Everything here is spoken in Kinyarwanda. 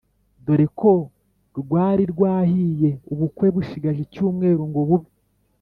dore ko rwari rwahiye ubukwe bushigaje icyumweru ngo bube.